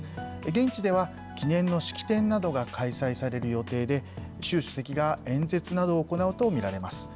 現地では、記念の式典などが開催される予定で、習主席が演説などを行うと見られます。